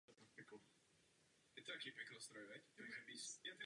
Nová bazilika zachovala původní strukturu jedné hlavní a čtyř bočních lodí.